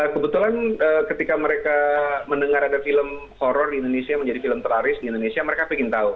kebetulan ketika mereka mendengar ada film horror di indonesia menjadi film terlaris di indonesia mereka ingin tahu